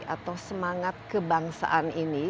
atau semangat kebangsaan ini